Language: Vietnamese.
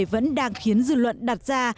vẫn đang khiến dư luận đặt ra